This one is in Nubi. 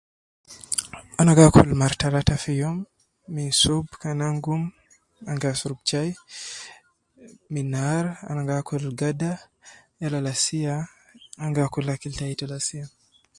Ana gaakul mara talata fi youm, minsub kan angum ana gi asurubu chai, hiii, min nar ana gi akul gada yala lasiya angi akul akil tai te lasiya